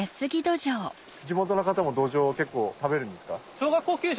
地元の方もどじょう結構食べるんですか？